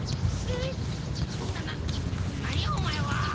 なななんやおまえは！